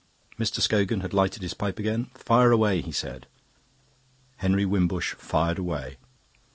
Mr. Scogan had lighted his pipe again. "Fire away," he said. Henry Wimbush fired away.